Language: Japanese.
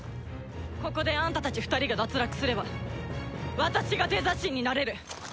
ここであんたたち２人が脱落すれば私がデザ神になれる！